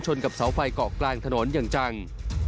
กับเสาไฟเกาะกลางถนนอย่างจัง